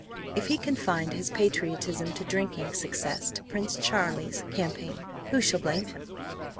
If he confined his patriotism to drinking success to Prince Charlie's campaign, who shall blame him?